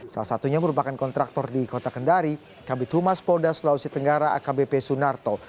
salah satunya merupakan kontraktor di kota kendari kabit humas polda sulawesi tenggara akbp sunarto